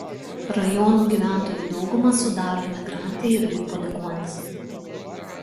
Rajono gyventojų daugumą sudaro imigrantai ir jų palikuonys.